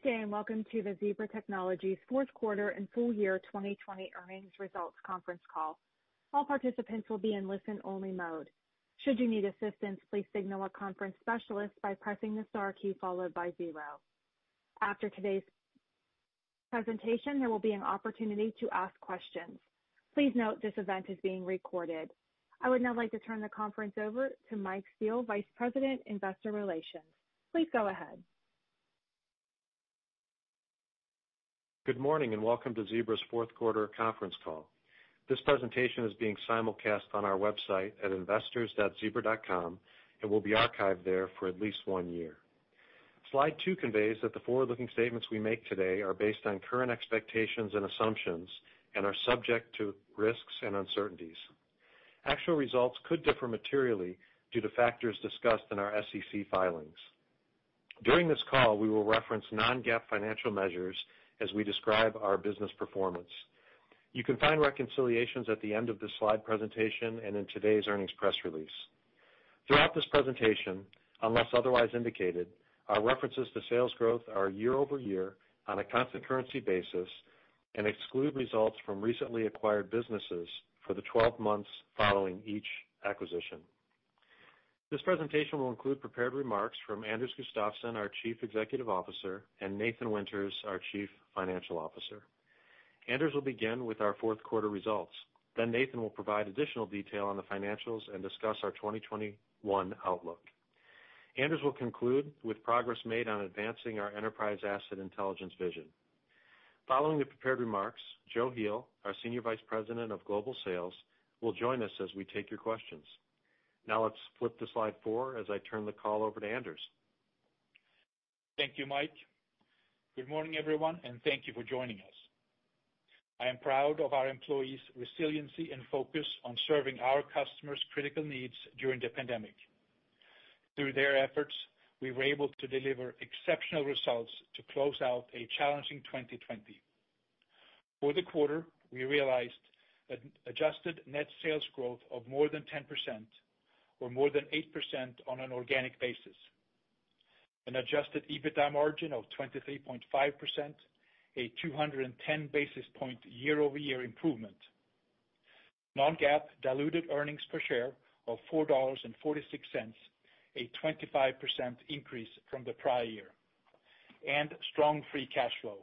Good day, and welcome to the Zebra Technologies fourth quarter and full year 2020 earnings results conference call. All participants will be in listen-only mode. Should you need assistance, please signal a conference specialist by pressing the star key followed by zero. After today's presentation, there will be an opportunity to ask questions. Please note this event is being recorded. I would now like to turn the conference over to Mike Steele, Vice President, Investor Relations. Please go ahead. Good morning and welcome to Zebra's fourth quarter conference call. This presentation is being simulcast on our website at investors.zebra.com and will be archived there for at least one year. Slide two conveys that the forward-looking statements we make today are based on current expectations and assumptions and are subject to risks and uncertainties. Actual results could differ materially due to factors discussed in our SEC filings. During this call, we will reference non-GAAP financial measures as we describe our business performance. You can find reconciliations at the end of this slide presentation and in today's earnings press release. Throughout this presentation, unless otherwise indicated, our references to sales growth are year-over-year on a constant currency basis and exclude results from recently acquired businesses for the 12 months following each acquisition. This presentation will include prepared remarks from Anders Gustafsson, our Chief Executive Officer, and Nathan Winters, our Chief Financial Officer. Anders will begin with our fourth quarter results. Nathan will provide additional detail on the financials and discuss our 2021 outlook. Anders will conclude with progress made on advancing our Enterprise Asset Intelligence vision. Following the prepared remarks, Joe Heel, our Senior Vice President of Global Sales, will join us as we take your questions. Let's flip to slide four as I turn the call over to Anders. Thank you, Mike. Good morning, everyone, and thank you for joining us. I am proud of our employees' resiliency and focus on serving our customers' critical needs during the pandemic. Through their efforts, we were able to deliver exceptional results to close out a challenging 2020. For the quarter, we realized an adjusted net sales growth of more than 10%, or more than 8% on an organic basis, an adjusted EBITDA margin of 23.5%, a 210 basis point year-over-year improvement, non-GAAP diluted earnings per share of $4.46, a 25% increase from the prior year, and strong free cash flow.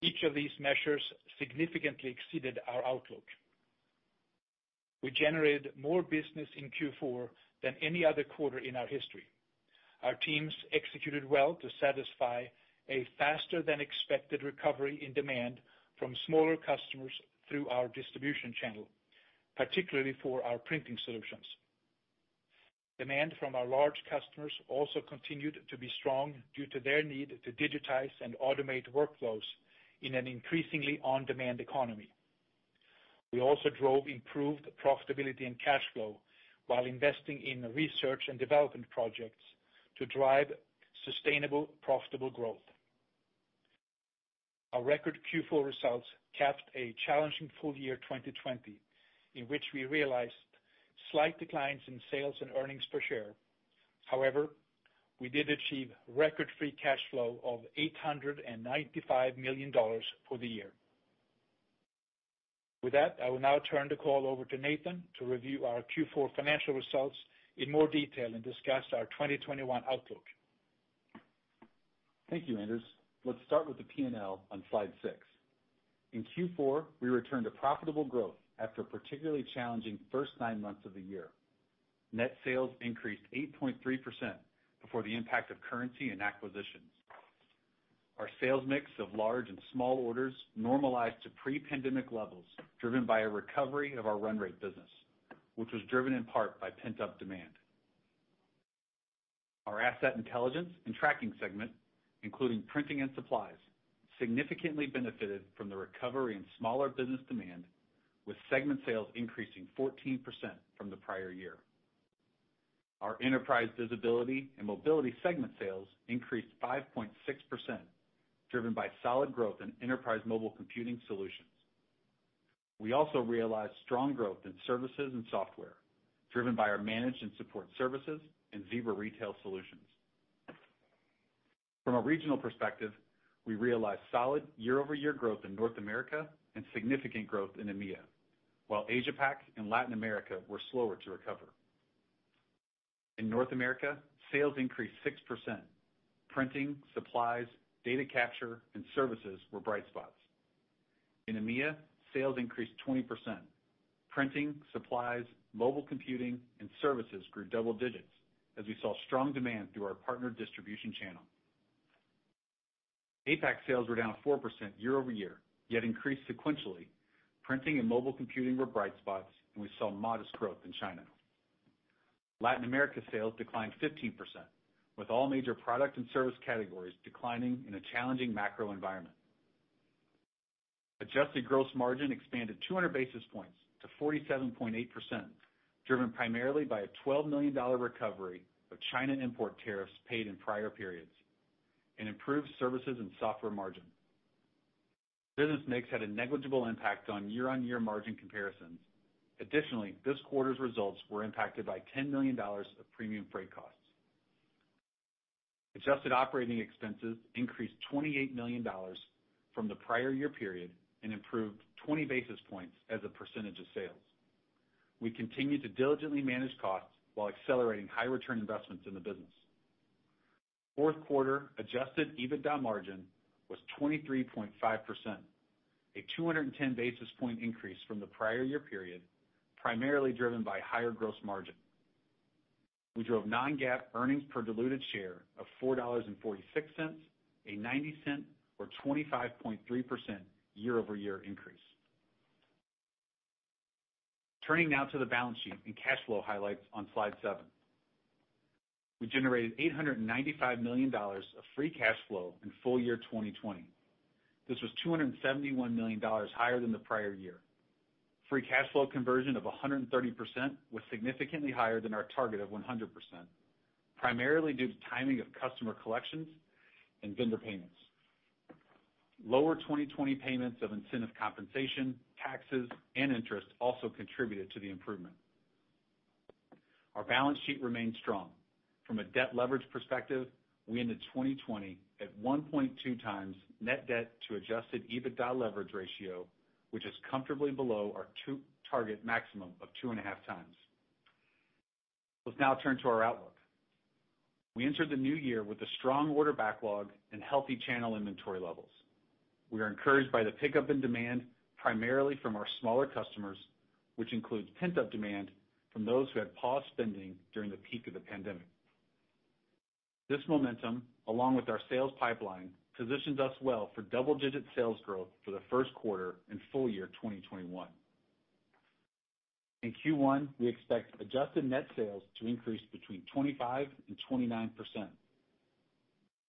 Each of these measures significantly exceeded our outlook. We generated more business in Q4 than any other quarter in our history. Our teams executed well to satisfy a faster than expected recovery in demand from smaller customers through our distribution channel, particularly for our printing solutions. Demand from our large customers also continued to be strong due to their need to digitize and automate workflows in an increasingly on-demand economy. We also drove improved profitability and cash flow while investing in research and development projects to drive sustainable, profitable growth. Our record Q4 results capped a challenging full year 2020, in which we realized slight declines in sales and earnings per share. However, we did achieve record free cash flow of $895 million for the year. With that, I will now turn the call over to Nathan to review our Q4 financial results in more detail and discuss our 2021 outlook. Thank you, Anders. Let's start with the P&L on slide six. In Q4, we returned to profitable growth after a particularly challenging first nine months of the year. Net sales increased 8.3% before the impact of currency and acquisitions. Our sales mix of large and small orders normalized to pre-pandemic levels, driven by a recovery of our run rate business, which was driven in part by pent-up demand. Our Asset Intelligence and Tracking segment, including printing and supplies, significantly benefited from the recovery in smaller business demand, with segment sales increasing 14% from the prior year. Our Enterprise Visibility and Mobility segment sales increased 5.6%, driven by solid growth in enterprise mobile computing solutions. We also realized strong growth in services and software, driven by our managed and support services in Zebra Retail Solutions. From a regional perspective, we realized solid year-over-year growth in North America and significant growth in EMEA, while Asia-Pacific and Latin America were slower to recover. In North America, sales increased 6%. Printing, supplies, data capture, and services were bright spots. In EMEA, sales increased 20%. Printing, supplies, mobile computing, and services grew double digits as we saw strong demand through our partner distribution channel. APAC sales were down 4% year-over-year, yet increased sequentially. Printing and mobile computing were bright spots, and we saw modest growth in China. Latin America sales declined 15%, with all major product and service categories declining in a challenging macro environment. Adjusted gross margin expanded 200 basis points to 47.8%, driven primarily by a $12 million recovery of China import tariffs paid in prior periods and improved services and software margin. Business mix had a negligible impact on year-on-year margin comparisons. Additionally, this quarter's results were impacted by $10 million of premium freight costs. Adjusted operating expenses increased $28 million from the prior year period and improved 20 basis points as a percentage of sales. We continue to diligently manage costs while accelerating high return investments in the business. Fourth quarter adjusted EBITDA margin was 23.5%, a 210 basis points increase from the prior year period, primarily driven by higher gross margin. We drove non-GAAP earnings per diluted share of $4.46, a $0.90 or 25.3% year-over-year increase. Turning now to the balance sheet and cash flow highlights on slide seven. We generated $895 million of free cash flow in full year 2020. This was $271 million higher than the prior year. Free cash flow conversion of 130% was significantly higher than our target of 100%, primarily due to timing of customer collections and vendor payments. Lower 2020 payments of incentive compensation, taxes, and interest also contributed to the improvement. Our balance sheet remained strong. From a debt leverage perspective, we ended 2020 at 1.2x net debt to adjusted EBITDA leverage ratio, which is comfortably below our target maximum of 2.5x. Let's now turn to our outlook. We entered the new year with a strong order backlog and healthy channel inventory levels. We are encouraged by the pickup in demand, primarily from our smaller customers, which includes pent-up demand from those who had paused spending during the peak of the pandemic. This momentum, along with our sales pipeline, positions us well for double-digit sales growth for the first quarter and full year 2021. In Q1, we expect adjusted net sales to increase between 25%-29%.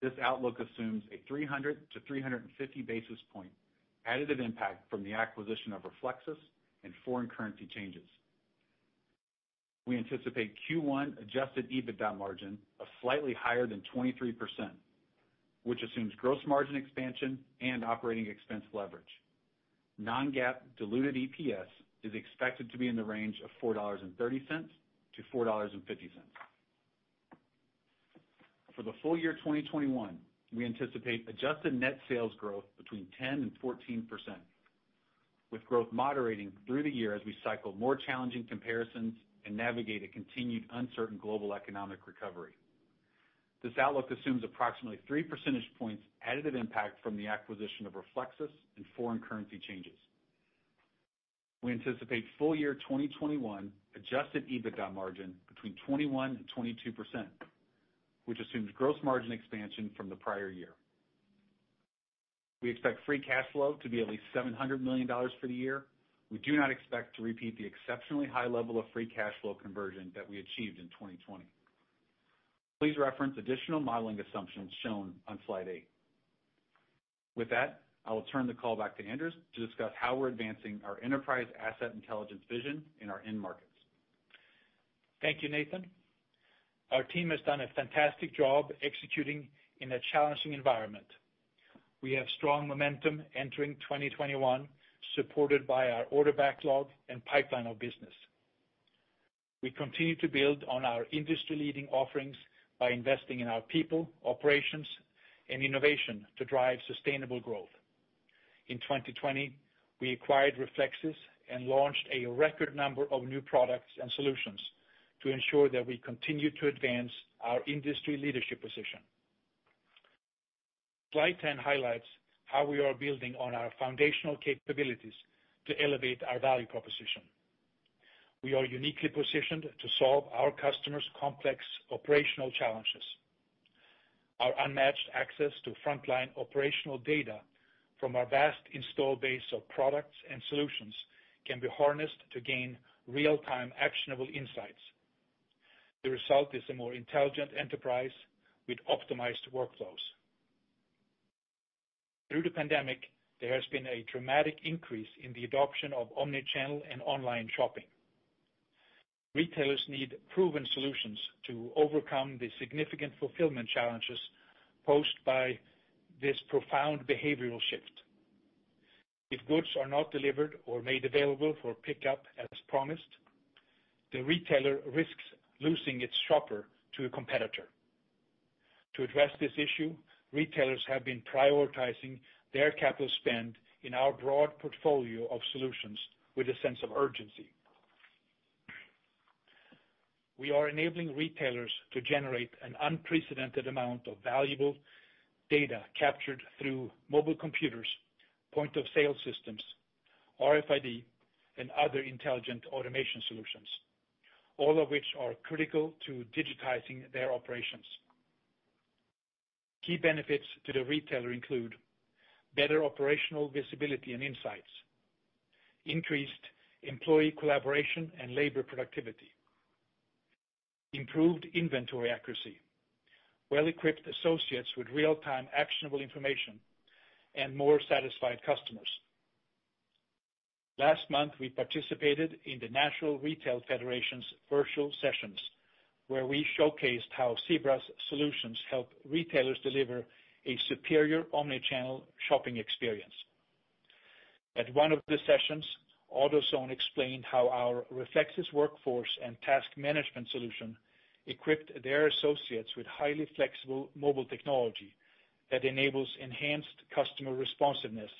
This outlook assumes a 300-350 basis point additive impact from the acquisition of Reflexis and foreign currency changes. We anticipate Q1 adjusted EBITDA margin of slightly higher than 23%, which assumes gross margin expansion and operating expense leverage. Non-GAAP diluted EPS is expected to be in the range of $4.30-$4.50. For the full year 2021, we anticipate adjusted net sales growth between 10%-14%, with growth moderating through the year as we cycle more challenging comparisons and navigate a continued uncertain global economic recovery. This outlook assumes approximately 3 percentage points additive impact from the acquisition of Reflexis and foreign currency changes. We anticipate full year 2021 adjusted EBITDA margin between 21%-22%, which assumes gross margin expansion from the prior year. We expect free cash flow to be at least $700 million for the year. We do not expect to repeat the exceptionally high level of free cash flow conversion that we achieved in 2020. Please reference additional modeling assumptions shown on slide eight. I will turn the call back to Anders to discuss how we're advancing our Enterprise Asset Intelligence vision in our end markets. Thank you, Nathan. Our team has done a fantastic job executing in a challenging environment. We have strong momentum entering 2021, supported by our order backlog and pipeline of business. We continue to build on our industry-leading offerings by investing in our people, operations, and innovation to drive sustainable growth. In 2020, we acquired Reflexis and launched a record number of new products and solutions to ensure that we continue to advance our industry leadership position. Slide 10 highlights how we are building on our foundational capabilities to elevate our value proposition. We are uniquely positioned to solve our customers' complex operational challenges. Our unmatched access to frontline operational data from our vast install base of products and solutions can be harnessed to gain real-time actionable insights. The result is a more intelligent enterprise with optimized workflows. Through the pandemic, there has been a dramatic increase in the adoption of omni-channel and online shopping. Retailers need proven solutions to overcome the significant fulfillment challenges posed by this profound behavioral shift. If goods are not delivered or made available for pickup as promised, the retailer risks losing its shopper to a competitor. To address this issue, retailers have been prioritizing their capital spend in our broad portfolio of solutions with a sense of urgency. We are enabling retailers to generate an unprecedented amount of valuable data captured through mobile computers, point of sale systems, RFID, and other intelligent automation solutions, all of which are critical to digitizing their operations. Key benefits to the retailer include better operational visibility and insights, increased employee collaboration and labor productivity, improved inventory accuracy, well-equipped associates with real-time actionable information, and more satisfied customers. Last month, we participated in the National Retail Federation's virtual sessions, where we showcased how Zebra's solutions help retailers deliver a superior omni-channel shopping experience. At one of the sessions, AutoZone explained how our Reflexis workforce and task management solution equipped their associates with highly flexible mobile technology that enables enhanced customer responsiveness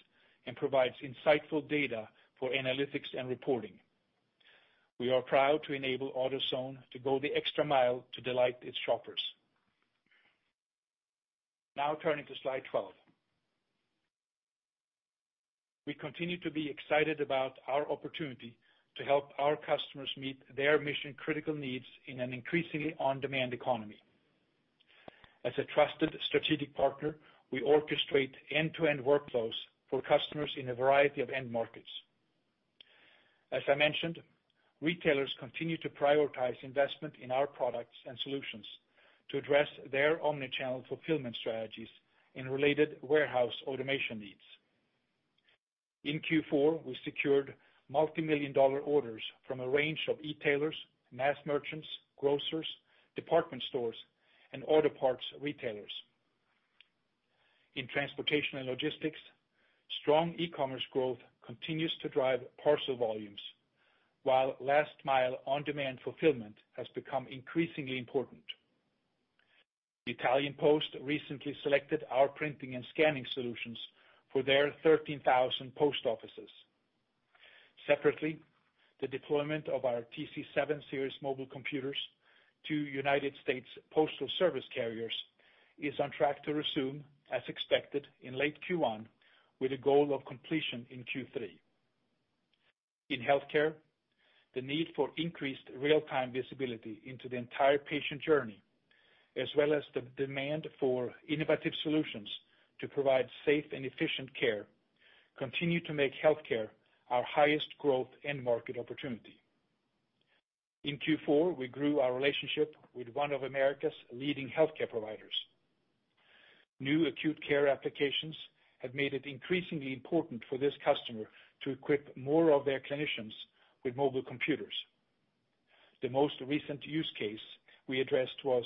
and provides insightful data for analytics and reporting. We are proud to enable AutoZone to go the extra mile to delight its shoppers. Turning to slide 12. We continue to be excited about our opportunity to help our customers meet their mission-critical needs in an increasingly on-demand economy. As a trusted strategic partner, we orchestrate end-to-end workflows for customers in a variety of end markets. As I mentioned, retailers continue to prioritize investment in our products and solutions to address their omni-channel fulfillment strategies and related warehouse automation needs. In Q4, we secured multimillion-dollar orders from a range of e-tailers, mass merchants, grocers, department stores, and auto parts retailers. In transportation and logistics, strong e-commerce growth continues to drive parcel volumes, while last mile on-demand fulfillment has become increasingly important. The Italian Post recently selected our printing and scanning solutions for their 13,000 post offices. Separately, the deployment of our TC7 Series mobile computers to United States Postal Service carriers is on track to resume as expected in late Q1, with a goal of completion in Q3. In healthcare, the need for increased real-time visibility into the entire patient journey, as well as the demand for innovative solutions to provide safe and efficient care, continue to make healthcare our highest growth end market opportunity. In Q4, we grew our relationship with one of America's leading healthcare providers. New acute care applications have made it increasingly important for this customer to equip more of their clinicians with mobile computers. The most recent use case we addressed was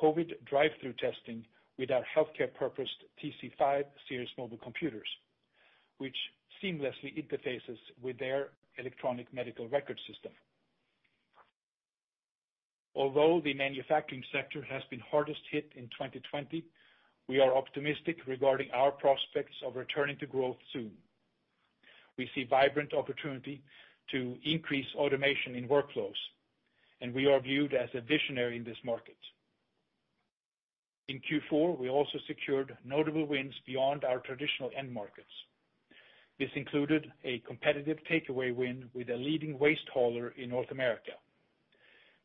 COVID drive-thru testing with our healthcare purposed TC5 Series mobile computers, which seamlessly interfaces with their electronic medical record system. Although the manufacturing sector has been hardest hit in 2020, we are optimistic regarding our prospects of returning to growth soon. We see vibrant opportunity to increase automation in workflows, and we are viewed as a visionary in this market. In Q4, we also secured notable wins beyond our traditional end markets. This included a competitive takeaway win with a leading waste hauler in North America.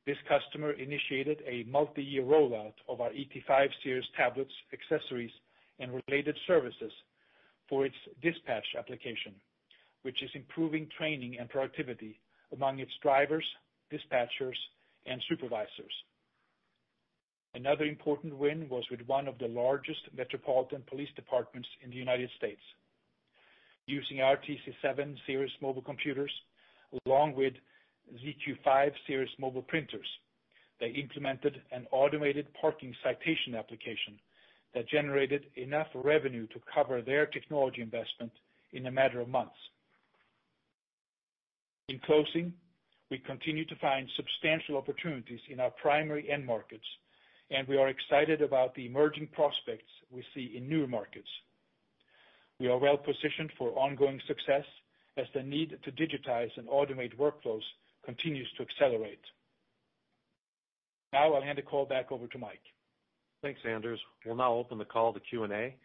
This customer initiated a multi-year rollout of our ET5 Series tablets, accessories, and related services for its dispatch application, which is improving training and productivity among its drivers, dispatchers, and supervisors. Another important win was with one of the largest metropolitan police departments in the U.S. Using our TC7 Series mobile computers, along with ZQ5 Series mobile printers, they implemented an automated parking citation application that generated enough revenue to cover their technology investment in a matter of months. In closing, we continue to find substantial opportunities in our primary end markets, we are excited about the emerging prospects we see in newer markets. We are well positioned for ongoing success as the need to digitize and automate workflows continues to accelerate. Now I'll hand the call back over to Mike. Thanks, Anders. We'll now open the call to Q&A.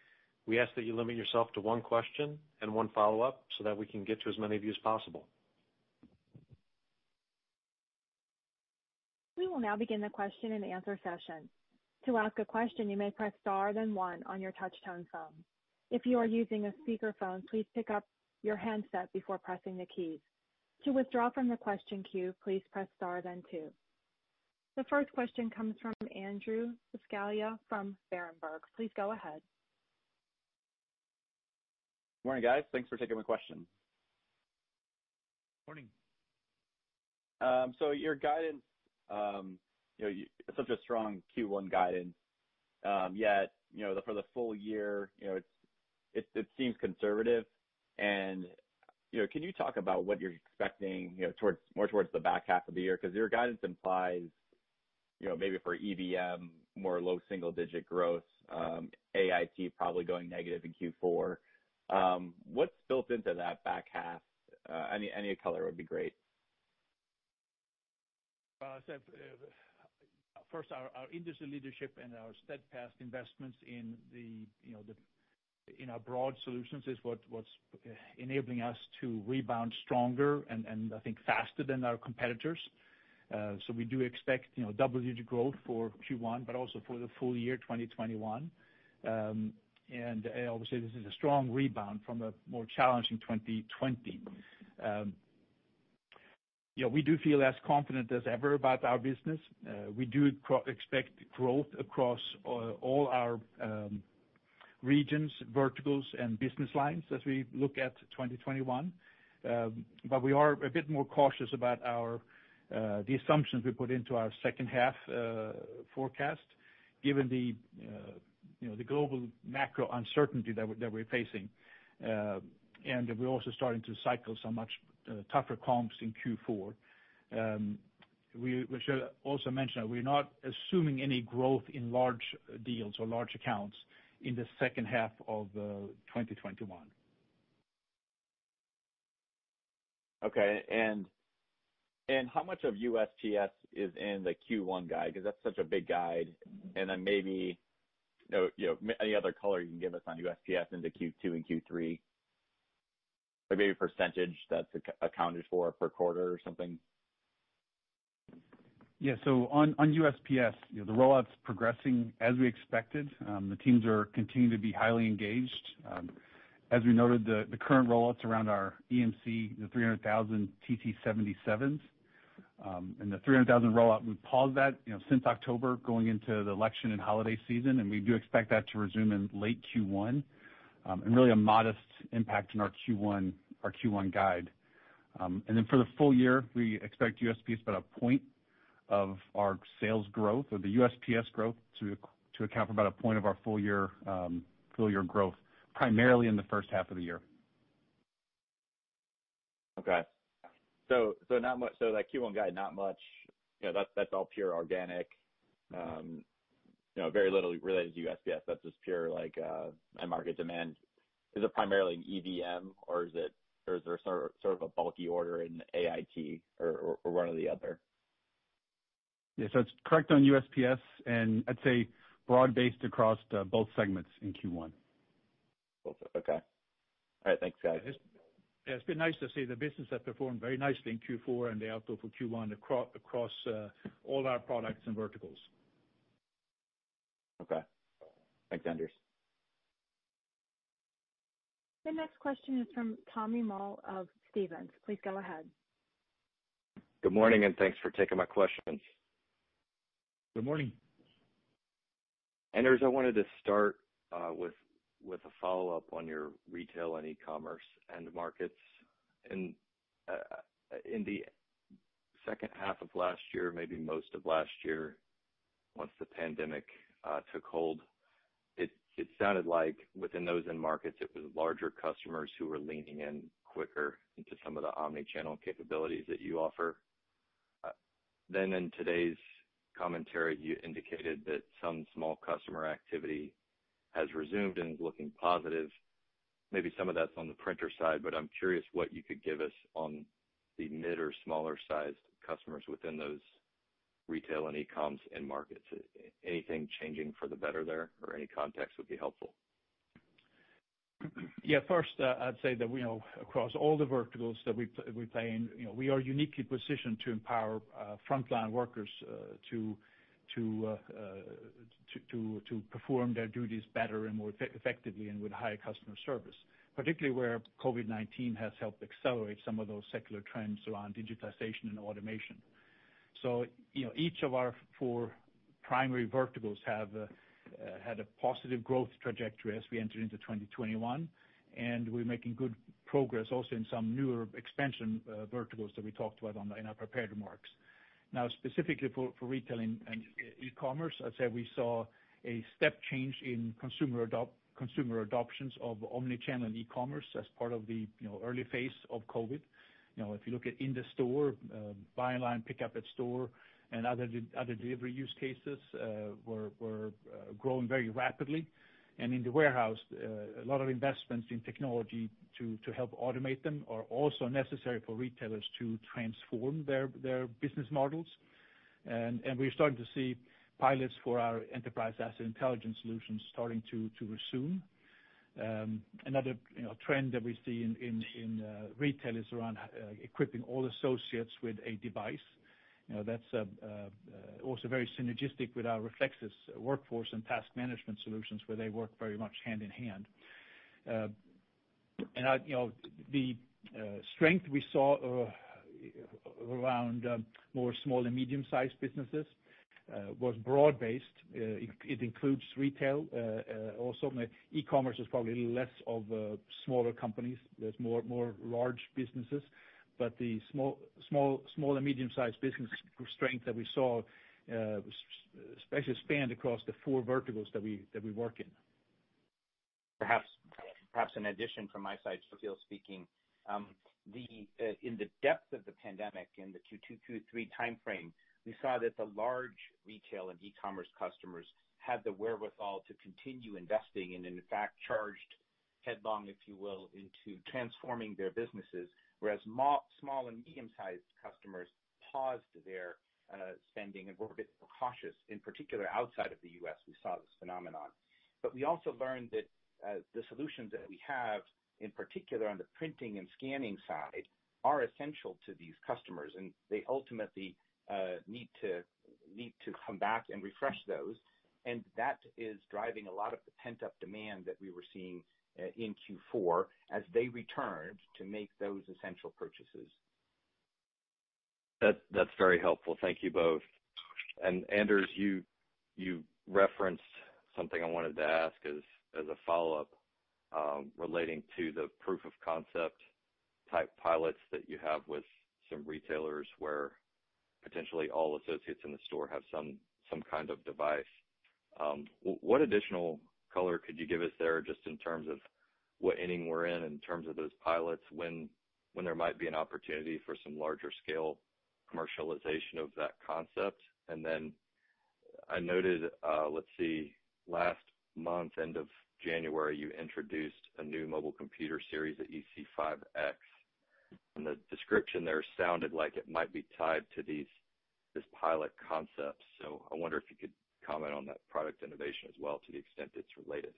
We ask that you limit yourself to one question and one follow-up so that we can get to as many of you as possible. We will now begin the question-and-answer session. To ask a question you may press star then one on your touch-tone phone. If you’re using a speaker phone, please pick up your handset before pressing the keys. To withdraw your question queue, please press star then two. The first question comes from Andrew Buscaglia from Berenberg. Please go ahead. Morning, guys. Thanks for taking my question. Morning. Your guidance, such a strong Q1 guidance, yet for the full year, it seems conservative. Can you talk about what you're expecting more towards the back half of the year? Your guidance implies maybe for EVM, more low single digit growth, AIT probably going negative in Q4. What's built into that back half? Any color would be great. First, our industry leadership and our steadfast investments in our broad solutions is what's enabling us to rebound stronger and I think faster than our competitors. We do expect double-digit growth for Q1, but also for the full year 2021. Obviously, this is a strong rebound from a more challenging 2020. Yeah, we do feel as confident as ever about our business. We do expect growth across all our regions, verticals, and business lines as we look at 2021. We are a bit more cautious about the assumptions we put into our second half forecast given the global macro uncertainty that we're facing. We're also starting to cycle some much tougher comps in Q4. We should also mention that we're not assuming any growth in large deals or large accounts in the second half of 2021. Okay. How much of USPS is in the Q1 guide? That's such a big guide. Maybe, any other color you can give us on USPS into Q2 and Q3. Maybe a percentage that's accounted for per quarter or something. Yeah. On USPS, the rollout's progressing as we expected. The teams are continuing to be highly engaged. As we noted, the current rollouts around our EMC, the 300,000 TC77, and the 300,000 rollout, we've paused that since October going into the election and holiday season. We do expect that to resume in late Q1, and really a modest impact in our Q1 guide. For the full year, we expect USPS about a point of our sales growth, or the USPS growth to account for about a point of our full-year growth, primarily in the first half of the year. Okay. That Q1 guide, not much. That's all pure organic. Very little related to USPS. That's just pure end market demand. Is it primarily EVM, or is there sort of a bulky order in AIT or one or the other? Yeah. It's correct on USPS, and I'd say broad-based across both segments in Q1. Both. Okay. All right, thanks, guys. Yeah, it's been nice to see the business that performed very nicely in Q4 and the outlook for Q1 across all our products and verticals. Okay. Thanks, Anders. The next question is from Tommy Moll of Stephens. Please go ahead. Good morning, and thanks for taking my questions. Good morning. Anders, I wanted to start with a follow-up on your retail and e-commerce end markets. In the second half of last year, maybe most of last year, once the pandemic took hold, it sounded like within those end markets, it was larger customers who were leaning in quicker into some of the omni-channel capabilities that you offer. In today's commentary, you indicated that some small customer activity has resumed and is looking positive. Maybe some of that's on the printer side, but I'm curious what you could give us on the mid or smaller sized customers within those retail and e-comms end markets. Anything changing for the better there, or any context would be helpful. Yeah. First, I'd say that across all the verticals that we play in, we are uniquely positioned to empower frontline workers to perform their duties better and more effectively and with higher customer service. Particularly where COVID-19 has helped accelerate some of those secular trends around digitization and automation. Each of our four primary verticals had a positive growth trajectory as we enter into 2021, and we're making good progress also in some newer expansion verticals that we talked about in our prepared remarks. Now, specifically for retailing and e-commerce, I'd say we saw a step change in consumer adoptions of omni-channel and e-commerce as part of the early phase of COVID. If you look at in-the-store, buy-online, pick-up-at-store, and other delivery use-cases were growing very rapidly. In the warehouse, a lot of investments in technology to help automate them are also necessary for retailers to transform their business models. We're starting to see pilots for our Enterprise Asset Intelligence solutions starting to resume. Another trend that we see in retail is around equipping all associates with a device. That's also very synergistic with our Reflexis workforce and task management solutions where they work very much hand in hand. The strength we saw around more small and medium-sized businesses was broad-based. It includes retail. E-commerce is probably a little less of smaller companies. There's more large businesses. The small and medium-sized business strength that we saw especially spanned across the four verticals that we work in. Perhaps an addition from my side. Joe Heel speaking. In the depth of the pandemic, in the Q2-Q3 timeframe, we saw that the large retail and e-commerce customers had the wherewithal to continue investing and, in fact, charged headlong, if you will, into transforming their businesses, whereas small and medium-sized customers paused their spending and were a bit cautious. In particular, outside of the U.S., we saw this phenomenon. We also learned that the solutions that we have, in particular on the printing and scanning side, are essential to these customers, and they ultimately need to come back and refresh those, and that is driving a lot of the pent-up demand that we were seeing in Q4 as they returned to make those essential purchases. That's very helpful. Thank you both. Anders, you referenced something I wanted to ask as a follow-up, relating to the proof-of-concept-type pilots that you have with some retailers where potentially all associates in the store have some kind of device. What additional color could you give us there, just in terms of what inning we're in terms of those pilots, when there might be an opportunity for some larger scale commercialization of that concept? Then I noted, let's see, last month, end of January, you introduced a new mobile computer series, the EC5x, and the description there sounded like it might be tied to this pilot concept. I wonder if you could comment on that product innovation as well, to the extent it's related.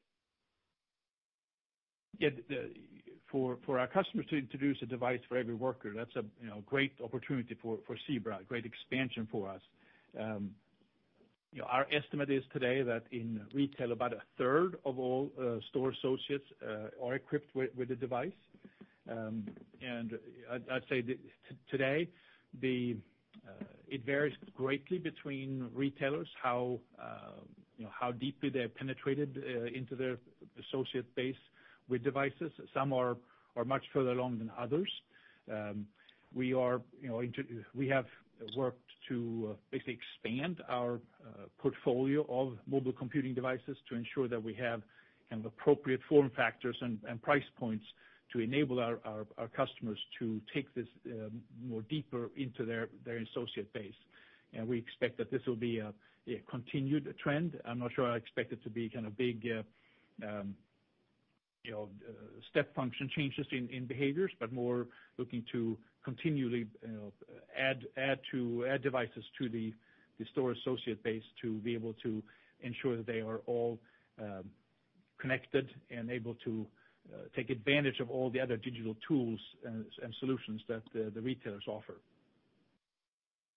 For our customers to introduce a device for every worker, that's a great opportunity for Zebra, great expansion for us. Our estimate is today that in retail, about a 1/3 of all store associates are equipped with a device. I'd say that today, it varies greatly between retailers how deeply they have penetrated into their associate base with devices. Some are much further along than others. We have worked to basically expand our portfolio of mobile computing devices to ensure that we have appropriate form factors and price points to enable our customers to take this more deeper into their associate base. We expect that this will be a continued trend. I'm not sure I expect it to be big step function changes in behaviors, but more looking to continually add devices to the store associate base to be able to ensure that they are all connected and able to take advantage of all the other digital tools and solutions that the retailers offer.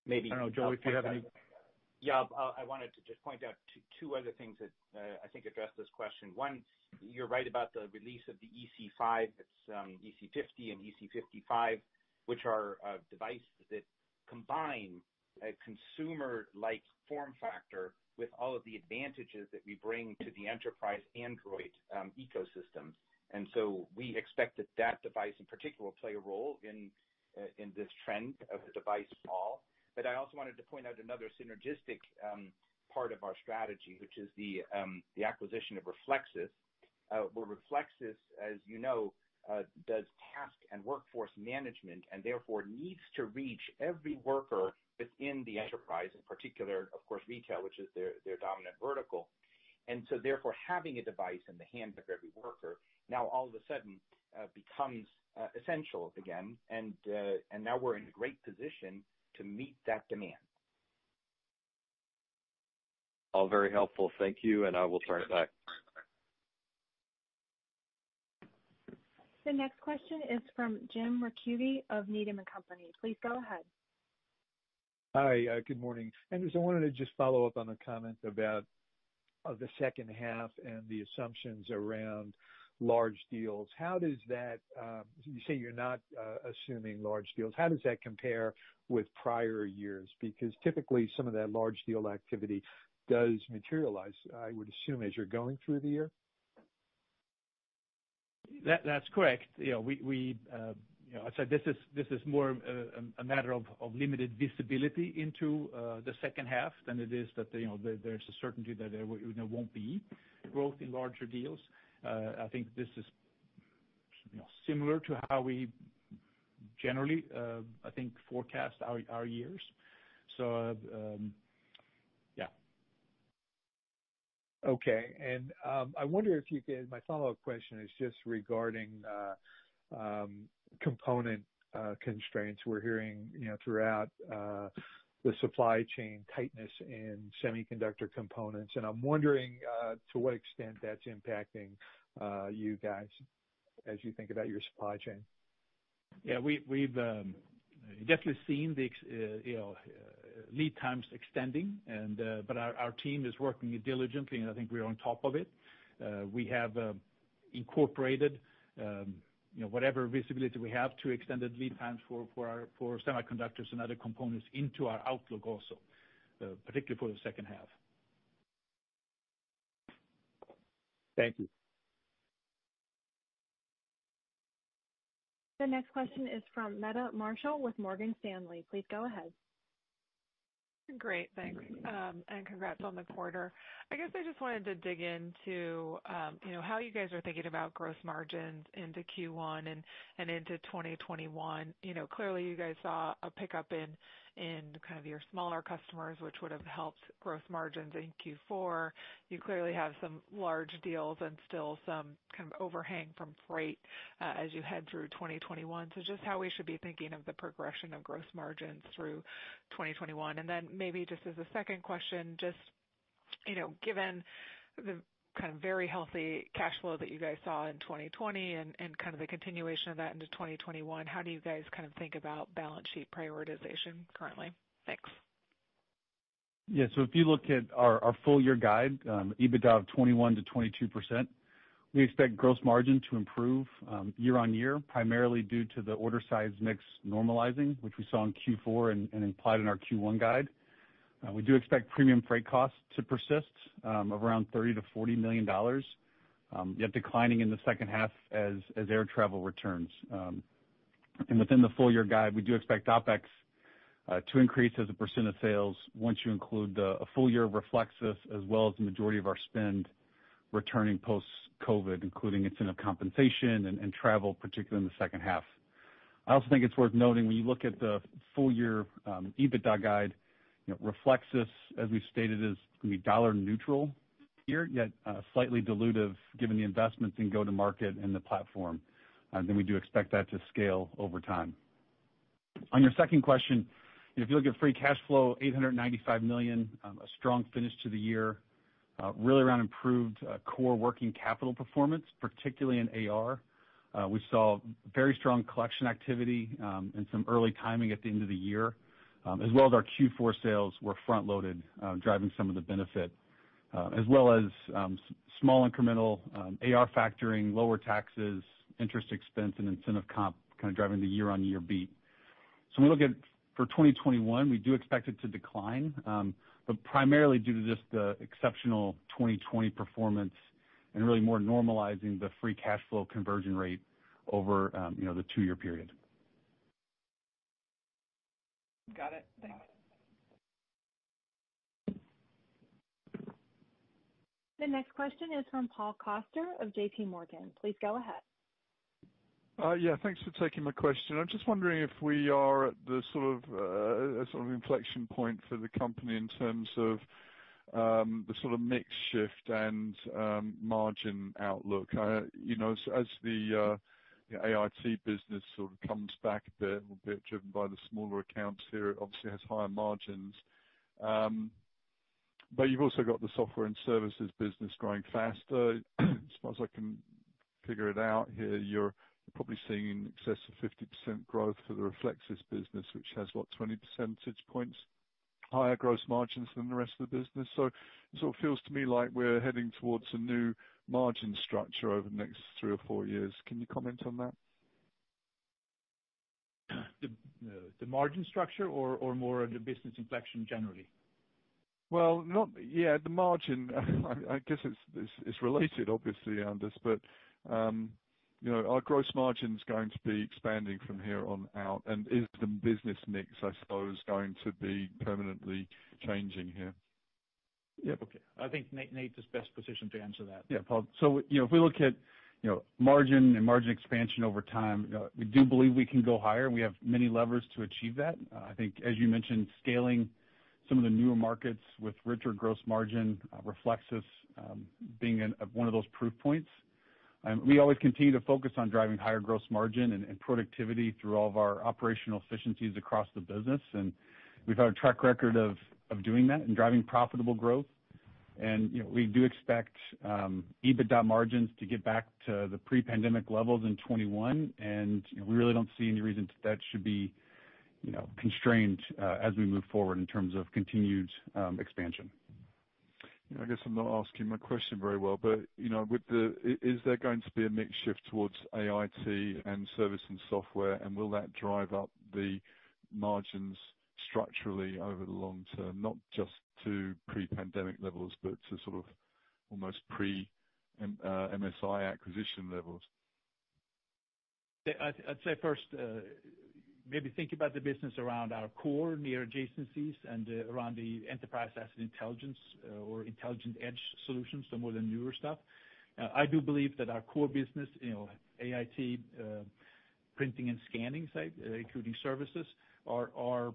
I don't know, Joe, if you have anything. Yeah. I wanted to just point out two other things that I think address this question. One, you're right about the release of the EC5. It's EC50 and EC55, which are devices that combine a consumer-like form factor with all of the advantages that we bring to the enterprise Android ecosystem. We expect that that device in particular will play a role in this trend of the device for all. I also wanted to point out another synergistic part of our strategy, which is the acquisition of Reflexis, where Reflexis, as you know, does task and workforce management, and therefore needs to reach every worker within the enterprise, in particular, of course, retail, which is their dominant vertical. Therefore, having a device in the hands of every worker, now all of a sudden, becomes essential again. Now we're in a great position to meet that demand. All very helpful. Thank you. I will turn back. The next question is from Jim Ricchiuti of Needham & Company. Please go ahead. Hi. Good morning. Anders, I wanted to just follow up on a comment about the second half and the assumptions around large deals. You say you're not assuming large deals. How does that compare with prior years? Typically, some of that large deal activity does materialize, I would assume, as you're going through the year. That's correct. I'd say this is more a matter of limited visibility into the second half than it is that there's a certainty that there won't be growth in larger deals. I think this is similar to how we generally, I think, forecast our years. Yeah. Okay. My follow-up question is just regarding component constraints. We're hearing throughout the supply chain tightness in semiconductor components, and I'm wondering to what extent that's impacting you guys as you think about your supply chain. We've definitely seen the lead times extending, but our team is working diligently, and I think we're on top of it. We have incorporated whatever visibility we have to extended lead times for our semiconductors and other components into our outlook also, particularly for the second half. Thank you. The next question is from Meta Marshall with Morgan Stanley. Please go ahead. Great. Thanks. Congrats on the quarter. I guess I just wanted to dig into how you guys are thinking about gross margins into Q1 and into 2021. Clearly you guys saw a pickup in your smaller customers, which would have helped gross margins in Q4. You clearly have some large deals and still some kind of overhang from freight as you head through 2021. Just how we should be thinking of the progression of gross margins through 2021. Maybe just as a second question. Just given the very healthy cash flow that you guys saw in 2020 and the continuation of that into 2021, how do you guys think about balance sheet prioritization currently? Thanks. Yeah. If you look at our full year guide, EBITDA of 21%-22%. We expect gross margin to improve year-over-year, primarily due to the order size mix normalizing, which we saw in Q4 and implied in our Q1 guide. We do expect premium freight costs to persist of around $30 million-$40 million, yet declining in the second half as air travel returns. Within the full year guide, we do expect OPEX to increase as a % of sales once you include a full year of Reflexis, as well as the majority of our spend returning post-COVID, including incentive compensation and travel, particularly in the second half. I also think it's worth noting, when you look at the full year EBITDA guide, Reflexis, as we've stated, is going to be dollar neutral here, yet slightly dilutive given the investments in go-to-market and the platform. We do expect that to scale over time. On your second question, if you look at free cash flow, $895 million, a strong finish to the year, really around improved core working capital performance, particularly in AR. We saw very strong collection activity and some early timing at the end of the year, as well as our Q4 sales were front-loaded, driving some of the benefit, as well as small incremental AR factoring, lower taxes, interest expense and incentive comp, driving the year-on-year beat. When we look at for 2021, we do expect it to decline, but primarily due to just the exceptional 2020 performance and really more normalizing the free cash flow conversion rate over the two-year period. Got it. Thanks. The next question is from Paul Coster of JPMorgan. Please go ahead. Yeah. Thanks for taking my question. I'm just wondering if we are at the sort of inflection point for the company in terms of the sort of mix shift and margin outlook. As the AIT business sort of comes back a bit, driven by the smaller accounts here, it obviously has higher margins. You've also got the software and services business growing faster. As far as I can figure it out here, you're probably seeing in excess of 50% growth for the Reflexis business, which has what, 20 percentage points higher gross margins than the rest of the business. It sort of feels to me like we're heading towards a new margin structure over the next three or four years. Can you comment on that? The margin structure or more of the business inflection generally? Well, yeah, the margin. I guess it's related, obviously, Anders, are gross margins going to be expanding from here on out? Is the business mix, I suppose, going to be permanently changing here? Yeah, okay. I think Nate is best positioned to answer that. Paul. If we look at margin and margin expansion over time, we do believe we can go higher, and we have many levers to achieve that. I think as you mentioned, scaling some of the newer markets with richer gross margin, Reflexis being one of those proof points. We always continue to focus on driving higher gross margin and productivity through all of our operational efficiencies across the business. We've had a track record of doing that and driving profitable growth. We do expect EBITDA margins to get back to the pre-pandemic levels in 2021, and we really don't see any reason that should be constrained as we move forward in terms of continued expansion. Yeah, I guess I'm not asking my question very well. Is there going to be a mix shift towards AIT and service and software, and will that drive up the margins structurally over the long term, not just to pre-pandemic levels, but to sort of almost pre-MSI acquisition levels? I'd say first, maybe think about the business around our core near adjacencies and around the Enterprise Asset Intelligence or intelligent edge solutions, some of the newer stuff. I do believe that our core business, AIT, printing and scanning side, including services, are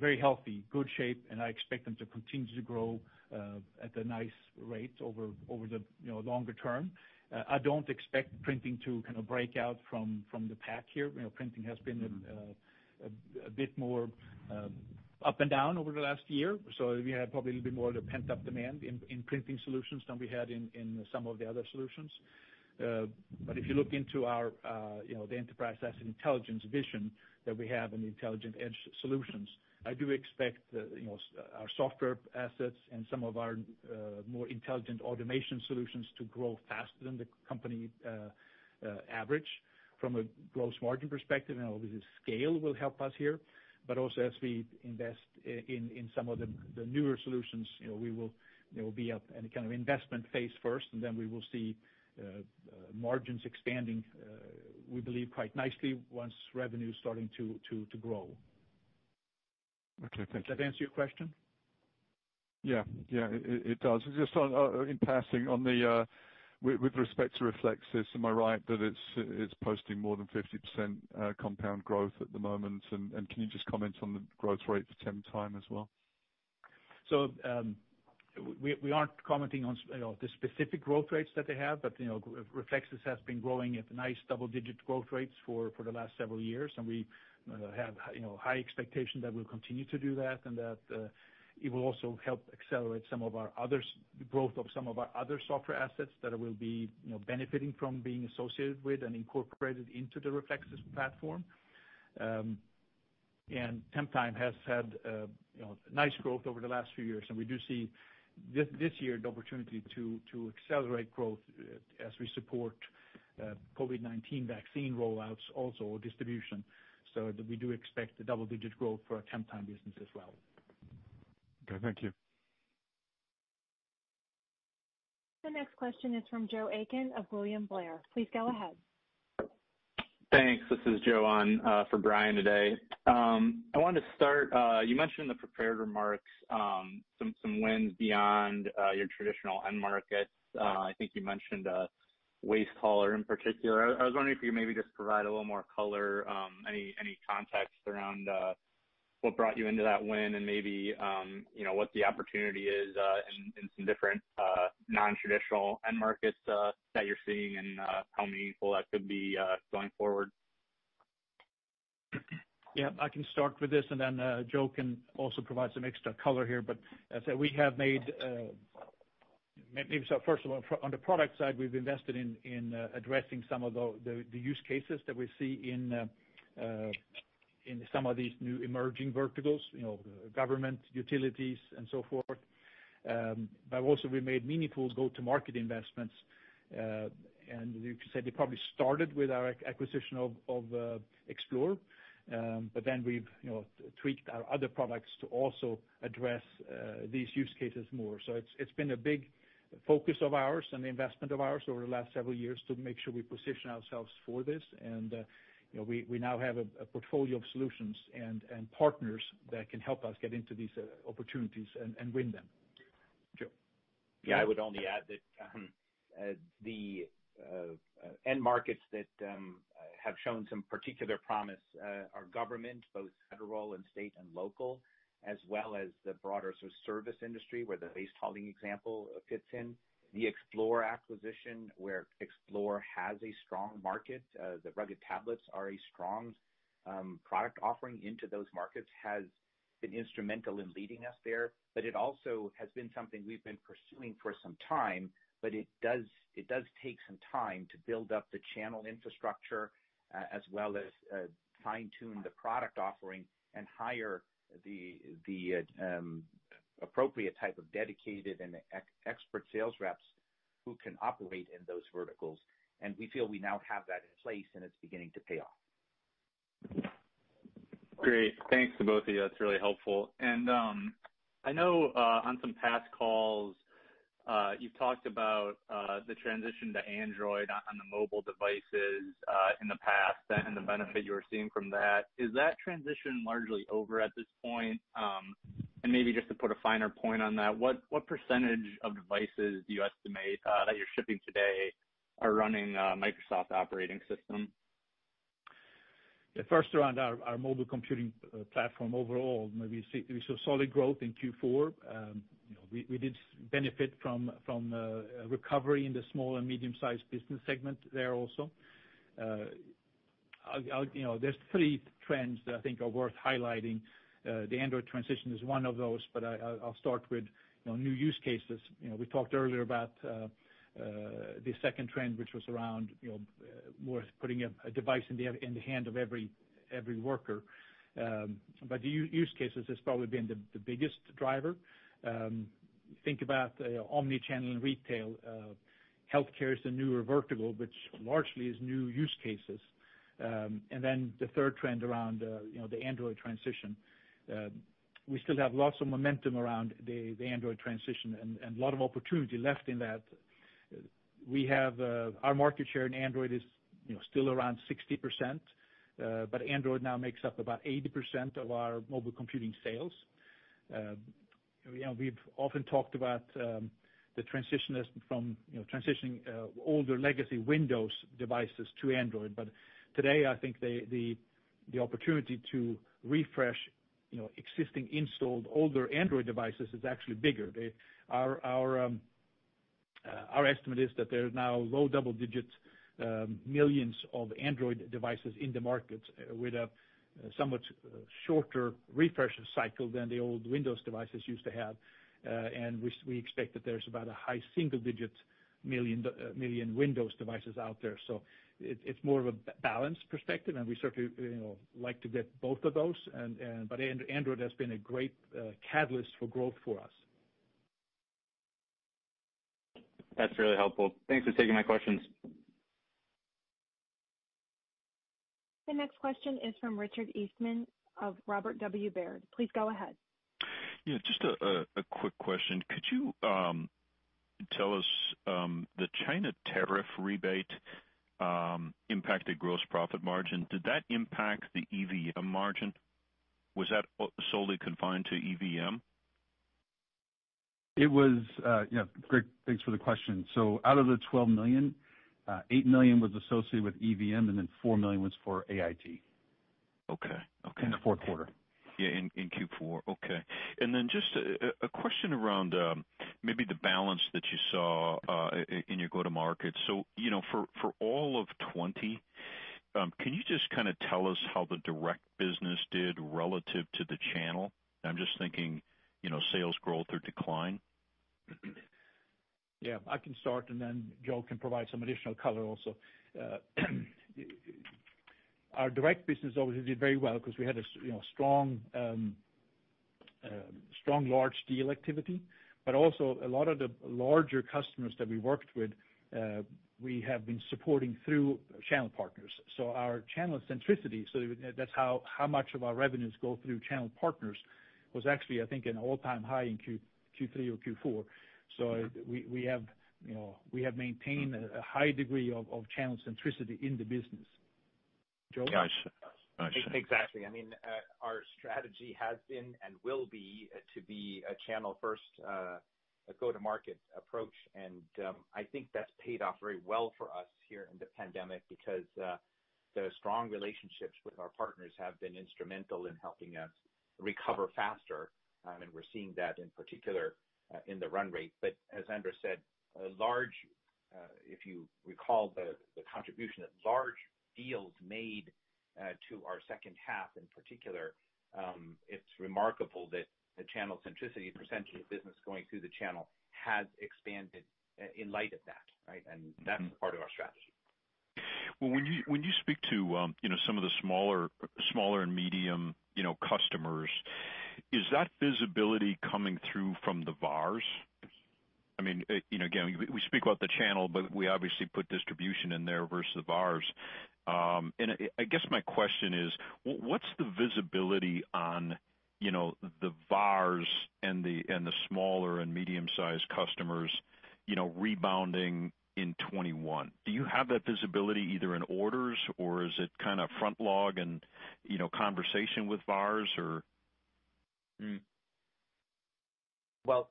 very healthy, good shape, and I expect them to continue to grow at a nice rate over the longer term. I don't expect printing to break out from the pack here. Printing has been a bit more up and down over the last year. We have probably a little bit more of the pent-up demand in printing solutions than we had in some of the other solutions. If you look into our Enterprise Asset Intelligence vision that we have in the intelligent edge solutions, I do expect our software assets and some of our more intelligent automation solutions to grow faster than the company average from a gross margin perspective, and obviously scale will help us here. Also as we invest in some of the newer solutions, there will be a kind of investment phase first, and then we will see margins expanding, we believe quite nicely once revenue is starting to grow. Okay. Thanks. Does that answer your question? Yeah. It does. Just in passing, with respect to Reflexis, am I right that it's posting more than 50% compound growth at the moment? Can you just comment on the growth rate for Temptime as well? We aren't commenting on the specific growth rates that they have, but Reflexis has been growing at nice double-digit growth rates for the last several years, and we have high expectation that we'll continue to do that, and that it will also help accelerate the growth of some of our other software assets that will be benefiting from being associated with and incorporated into the Reflexis platform. Temptime has had nice growth over the last few years, and we do see this year the opportunity to accelerate growth as we support COVID-19 vaccine rollouts, also distribution. We do expect a double-digit growth for our Temptime business as well. Okay, thank you. The next question is from Joe Aiken of William Blair. Please go ahead. Thanks. This is Joe on for Brian today. I wanted to start, you mentioned in the prepared remarks, some wins beyond your traditional end markets. I think you mentioned a waste hauler in particular. I was wondering if you maybe just provide a little more color, any context around what brought you into that win and maybe what the opportunity is in some different non-traditional end markets that you're seeing, and how meaningful that could be going forward. Yeah. I can start with this, and then Joe can also provide some extra color here. As I said, first of all, on the product side, we've invested in addressing some of the use cases that we see in some of these new emerging verticals, government, utilities, and so forth. Also, we made meaningful go-to-market investments, and you could say they probably started with our acquisition of Xplore. We've tweaked our other products to also address these use cases more. It's been a big focus of ours and investment of ours over the last several years to make sure we position ourselves for this. We now have a portfolio of solutions and partners that can help us get into these opportunities and win them. Joe. Yeah, I would only add that the end markets that have shown some particular promise are government, both federal and state and local, as well as the broader service industry, where the waste hauling example fits in. The Xplore acquisition, where Xplore has a strong market, the rugged tablets are a strong product offering into those markets, has been instrumental in leading us there. It also has been something we've been pursuing for some time, but it does take some time to build up the channel infrastructure, as well as fine-tune the product offering and hire the appropriate type of dedicated and expert sales reps who can operate in those verticals. We feel we now have that in place, and it's beginning to pay off. Great. Thanks to both of you. That's really helpful. I know on some past calls, you've talked about the transition to Android on the mobile devices in the past, and the benefit you were seeing from that. Is that transition largely over at this point? Maybe just to put a finer point on that, what percentage of devices do you estimate that you're shipping today are running Microsoft operating system? First around our mobile computing platform overall, we saw solid growth in Q4. We did benefit from recovery in the small and medium-sized business segment there also. There's three trends that I think are worth highlighting. The Android transition is one of those, but I'll start with new use cases. We talked earlier about the second trend, which was around worth putting a device in the hand of every worker. The use cases has probably been the biggest driver. Think about omni-channel and retail. Healthcare is a newer vertical, which largely is new use cases. The third trend around the Android transition. We still have lots of momentum around the Android transition and a lot of opportunity left in that. Our market share in Android is still around 60%, but Android now makes up about 80% of our mobile computing sales. We've often talked about the transition from transitioning older legacy Windows devices to Android. Today, I think the opportunity to refresh existing installed older Android devices is actually bigger. Our estimate is that there's now low double-digit millions of Android devices in the market with a somewhat shorter refresh cycle than the old Windows devices used to have. We expect that there's about a high single-digit million Windows devices out there. It's more of a balanced perspective, and we certainly like to get both of those. Android has been a great catalyst for growth for us. That's really helpful. Thanks for taking my questions. The next question is from Richard Eastman of Robert W. Baird. Please go ahead. Yeah, just a quick question. Could you tell us, the China tariff rebate impacted gross profit margin. Did that impact the EVM margin? Was that solely confined to EVM? Great, thanks for the question. Out of the $12 million, $8 million was associated with EVM and then $4 million was for AIT. Okay. In the fourth quarter. Yeah, in Q4. Okay. Just a question around maybe the balance that you saw in your go-to-market. For all of 2020, can you just tell us how the direct business did relative to the channel? I'm just thinking, sales growth or decline. Yeah, I can start, and then Joe can provide some additional color also. Our direct business obviously did very well because we had a strong large deal activity, but also a lot of the larger customers that we worked with, we have been supporting through channel partners. Our channel centricity, so that's how much of our revenues go through channel partners, was actually, I think, an all-time high in Q3 or Q4. We have maintained a high degree of channel centricity in the business. Joe? I see. Exactly. Our strategy has been and will be, to be a channel first, a go-to-market approach. I think that's paid off very well for us here in the pandemic because the strong relationships with our partners have been instrumental in helping us recover faster. We're seeing that in particular, in the run rate. As Anders said, if you recall the contribution that large deals made to our second half, in particular, it's remarkable that the channel centricity percentage of business going through the channel has expanded in light of that. Right? That's part of our strategy. When you speak to some of the smaller and medium customers, is that visibility coming through from the VARs? Again, we speak about the channel, but we obviously put distribution in there versus the VARs. I guess my question is, what's the visibility on the VARs and the smaller and medium-sized customers rebounding in 2021? Do you have that visibility either in orders or is it kind of front log and conversation with VARs? Well,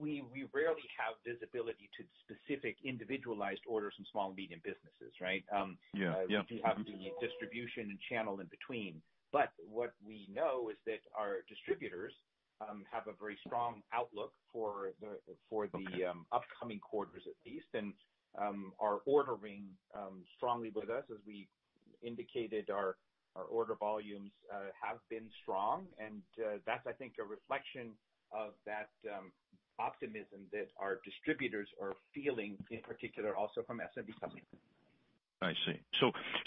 we rarely have visibility to specific individualized orders from small and medium businesses, right? Yeah. We have the distribution and channel in between. What we know is that our distributors have a very strong outlook for the- Okay. ...upcoming quarters at least, and are ordering strongly with us. As we indicated, our order volumes have been strong, and that's, I think, a reflection of that optimism that our distributors are feeling in particular, also from SMB companies. I see.